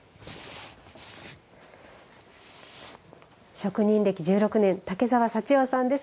職人歴１６年、竹澤幸代さんです。